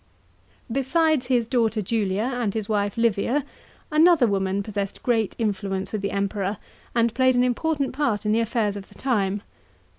Besides his daughter Julia and his wife Livia, another woman possessed great influence with the Emperor and played an important part in the affairs of the time.